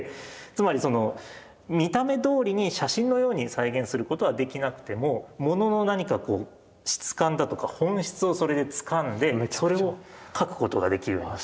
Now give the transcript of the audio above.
つまり見た目どおりに写真のように再現することはできなくてもモノの何かこう質感だとか本質をそれでつかんでそれを描くことができるような。